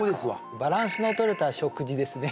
バランスのとれた食事ですね